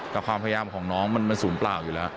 แต่ความพยายามของน้องมันศูนย์เปล่าอยู่แล้ว